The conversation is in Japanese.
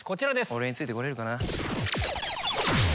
俺についてこれるかな？